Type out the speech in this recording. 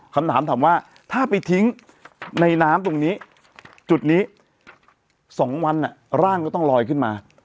คำถามถามว่าถ้าไปทิ้งในน้ำตรงนี้จุดนี้๒วันร่างก็ต้องลอยขึ้นมา